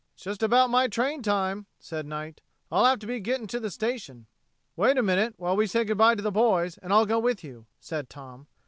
"It's just about my train time," said Knight. "I'll have to be getting to the station." "Wait a minute while we say good by to the boys, and I'll go with you," said Tom.